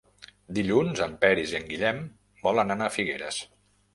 Dilluns en Peris i en Guillem volen anar a Figueres.